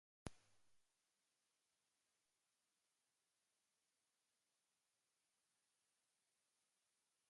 Y así sucesivamente hasta remontarse a los apóstoles.